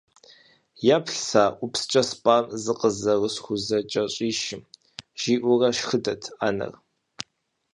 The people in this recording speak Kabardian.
«Еплъ сэ а ӏупскӏэ спӏам зыкъызэрысхузэкӏэщӏишым», жиӏэурэ шхыдэрт анэр.